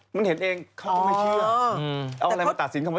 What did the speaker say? ปกตินี่แม่งเจตนาแต่ไม่ได้โฆษณา